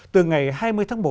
từ ngày hai mươi tháng một